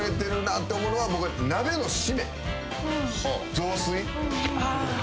雑炊。